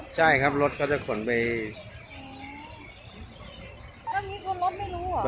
ใช่ครับรถเขาจะขนไปอ๋อแล้วมีคนรถไม่รู้เหรอ